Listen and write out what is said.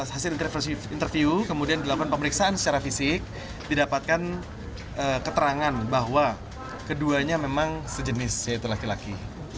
hasil interview kemudian dilakukan pemeriksaan secara fisik didapatkan keterangan bahwa keduanya memang sejenis yaitu laki laki